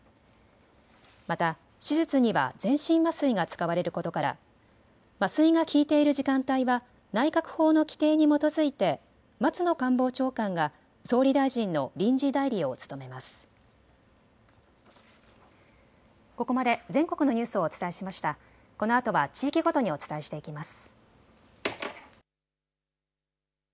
また手術には全身麻酔が使われることから麻酔が効いている時間帯は内閣法の規定に基づいて松野官房長官が総理大臣の臨時代理を務めます。